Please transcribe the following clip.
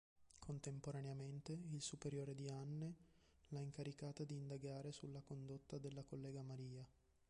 Contemporaneamente il superiore di Anne l'ha incaricata di indagare sulla condotta della collega Maria.